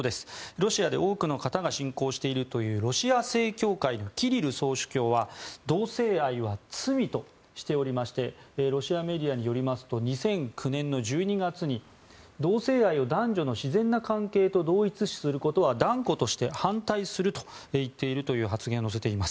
ロシアで多くの方が信仰しているというロシア正教会のキリル総主教は同性愛は罪としておりましてロシアメディアによりますと２００９年１２月に同性愛を男女の自然な関係と同一視することは断固として反対すると言っているという発言を載せています。